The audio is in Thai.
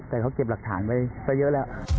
แต่เขาเก็บหลักฐานไว้ก็เยอะแล้ว